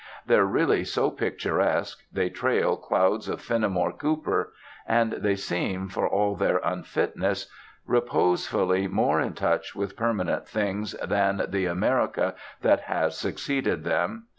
They're really so picturesque; they trail clouds of Fenimore Cooper; and they seem, for all their unfitness, reposefully more in touch with permanent things than the America that has succeeded them.